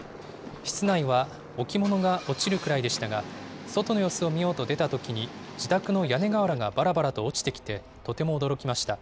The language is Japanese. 室内は置物が落ちるくらいでしたが、外の様子を見ようと出たときに、自宅の屋根瓦がばらばらと落ちてきて、とても驚きました。